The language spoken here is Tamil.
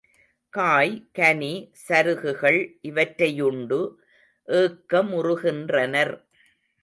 காய், கனி, சருகுகள் இவற்றை யுண்டு ஏக்க முறுகின்றனர்.